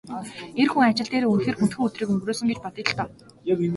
Эр хүн ажил дээрээ үнэхээр хүндхэн өдрийг өнгөрөөсөн гэж бодъё л доо.